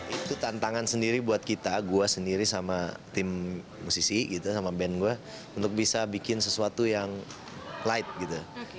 itu tantangan sendiri buat kita gue sendiri sama tim musisi gitu sama band gue untuk bisa bikin sesuatu yang light gitu